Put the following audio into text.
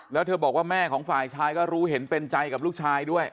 แล้วเธอบอกว่าแม่ของฝ่ายชายก็รู้เห็นเป็นใจกับลูกชายด้วย